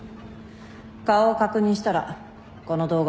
顔を確認したらこの動画は消去する。